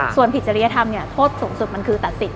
ส่วนผิดจริยธรรมโทษสูงสุดมันคือตัดสิทธิ